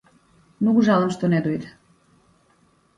Многу жалам што не дојде.